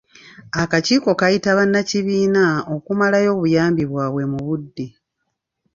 Akakiiko kayita bannakibiina okumalayo obuyambi bwabwe mu budde.